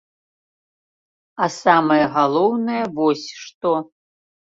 А самае галоўнае вось што.